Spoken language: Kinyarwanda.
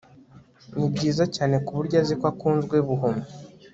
Nibyiza cyane kuburyo azi ko akunzwe buhumyi